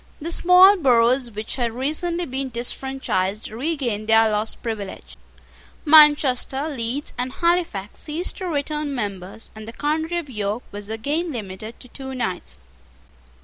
The small boroughs which had recently been disfranchised regained their lost privilege: Manchester, Leeds, and Halifax ceased to return members; and the county of York was again limited to two knights.